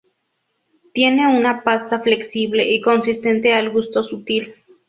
Tiene una pasta flexible y consistente al gusto sutil.